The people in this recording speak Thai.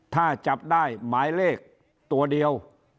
ถ้าจับได้หมายเลขตัวเดียว